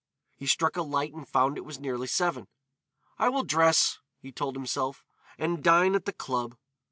He struck a light and found that it was nearly seven. "I will dress," he told himself, "and dine at the club."